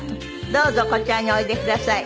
どうぞこちらにおいでください。